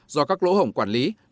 do các lỗ hổng quản lý